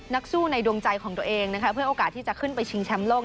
นักสู้ในดวงใจของตัวเองนะคะเพื่อโอกาสที่จะขึ้นไปชิงแชมป์โลก